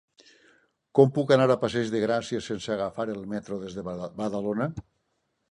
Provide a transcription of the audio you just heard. Com puc anar a Passeig de Gràcia sense agafar el metro des de Badalona?